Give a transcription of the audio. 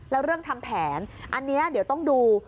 แล้วเรื่องทำแผนอันนี้เดี๋ยวต้องดู